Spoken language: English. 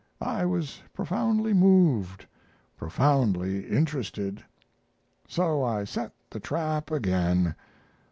I was profoundly moved, profoundly interested. So I set the trap again.